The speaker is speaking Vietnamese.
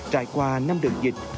trải qua năm đợt dịch